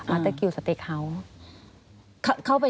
มาตเตอร์กิวสเต็กฮาว